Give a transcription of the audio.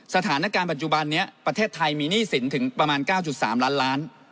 สถานการณ์ปัจจุบันนี้ประเทศไทยมีหนี้สินถึงประมาณ๙๓ล้านล้าน